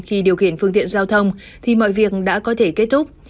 khi điều khiển phương tiện giao thông thì mọi việc đã có thể kết thúc